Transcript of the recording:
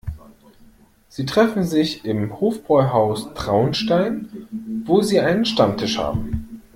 Sie treffen sich im Hofbräuhaus Traunstein, wo sie einen Stammtisch haben.